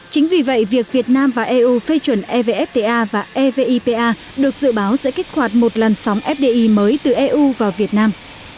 chính vì vậy việc việt nam và eu phê chuẩn evfta và evipa được dự báo sẽ kích hoạt một lần sóng fdi mới từ eu vào việt nam